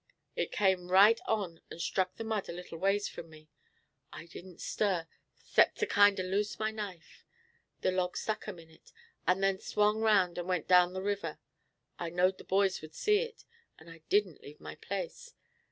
It come right on and struck the mud a little ways from me. I didn't stir 'cept to kinder loose my knife. The log stuck a minute, and then swung round and went down the river. I knowed the boys would see it, and I didn't leave my place.